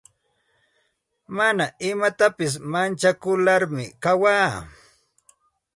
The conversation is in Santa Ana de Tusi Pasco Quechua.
Mana imapitasi manchakularmi kawaa.